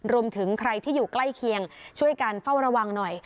รวมถึงใครที่อยู่ใกล้เคียงช่วยกันเฝ้าระวังหน่อย